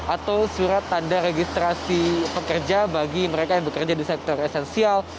atau surat tanda registrasi pekerja bagi mereka yang bekerja di sektor esensial